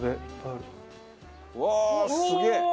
うわーすげえ！